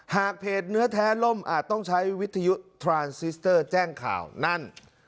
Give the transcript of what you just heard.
หากเพจเนื้อแท้ล่มอาจต้องใช้วิทยุทรานซิสเตอร์แจ้งข่าวนั่น